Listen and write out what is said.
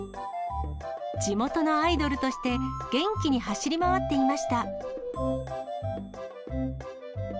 地元のアイドルとして、元気に走り回っていました。